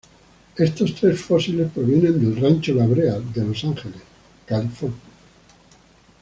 Estos tres fósiles provienen del Rancho La Brea de Los Ángeles, California.